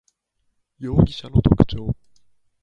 容疑者の特徴